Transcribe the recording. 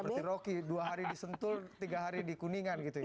seperti rocky dua hari di sentul tiga hari di kuningan gitu ya